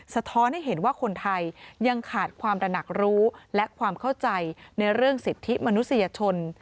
ท้อนให้เห็นว่าคนไทยยังขาดความระหนักรู้และความเข้าใจในเรื่องสิทธิมนุษยชน